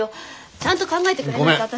ちゃんと考えてくれないと私。